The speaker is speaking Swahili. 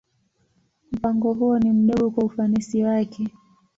Mpango huo ni mdogo kwa ufanisi wake.